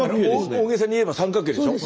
大げさに言えば三角形でしょ。